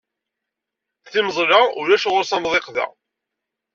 Tameẓla ulac ɣur-s amḍiq da.